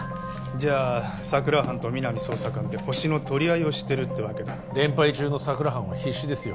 じゃあ佐久良班と皆実捜査官でホシのとりあいをしてるってわけだ連敗中の佐久良班は必死ですよ